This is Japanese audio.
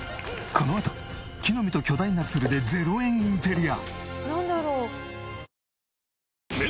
このあと木の実と巨大なツルで０円インテリア。